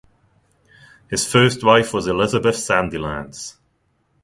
His first wife was Elizabeth Sandilands.